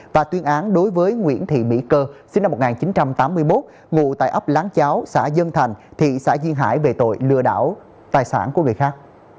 và tuyên án đối với nguyễn thị mỹ cơ sinh năm một nghìn chín trăm tám mươi một ngụ tại ấp lán cháo xã dân thành thị xã duyên hải về tội lừa đảo tài sản của người khác